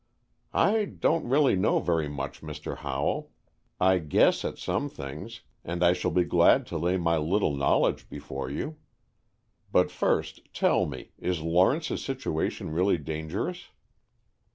"I don't really know very much, Mr. Howell. I guess at some things, and I shall be glad to lay my little knowledge before you. But first, tell me, is Lawrence's situation really dangerous?"